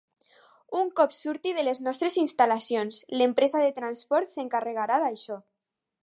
Un cop surti de les nostres instal·lacions, l'empresa de transport s'encarregarà d'això.